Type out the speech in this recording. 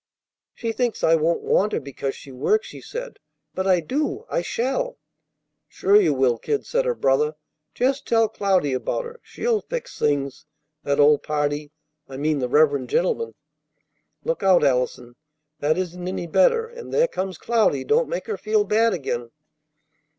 "She thinks I won't want her because she works!" she said. "But I do. I shall." "Sure you will, kid," said her brother. "Just tell Cloudy about her. She'll fix things. That old party I mean, the reverend gentleman " "Look out, Allison, that isn't any better; and there comes Cloudy. Don't make her feel bad again."